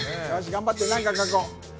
頑張って、何か書こう。